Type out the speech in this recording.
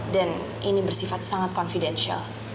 dan ini bersifat sangat confidential